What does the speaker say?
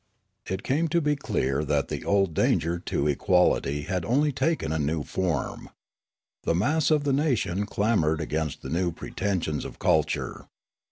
" It came to be clear that the old danger to equality had only taken a new form. The mass of the nation clamoured against the new pretensions of culture.